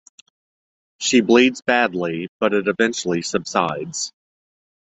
She bleeds badly, but it eventually subsides.